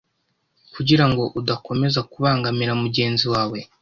kugira ngo udakomeza kubangamira mugenzi wawe,